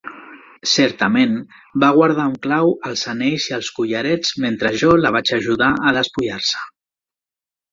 Certament, va guardar amb clau els anells i els collarets mentre jo la vaig ajudar a despullar-se.